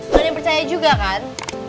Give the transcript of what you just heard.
kalian percaya juga kan